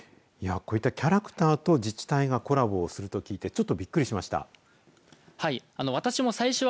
こういったキャラクターと自治体がコラボすると聞いてちょっとびっくりしました。